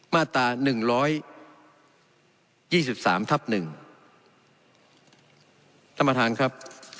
มาตราหนึ่งร้อยยี่สิบสามทับหนึ่งน้ำมาทางครับ